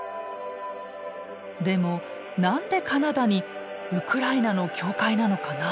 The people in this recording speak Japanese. でも何でカナダにウクライナの教会なのかな？